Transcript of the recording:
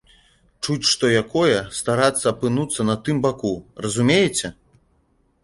Чуць што якое, старацца апынуцца на тым баку, разумееце?